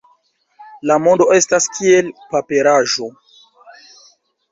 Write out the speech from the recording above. La mondo estas kiel paperaĵo.